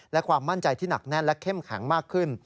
และความมั่นใจที่หนักแน่นและเข้มแข็งมากขึ้น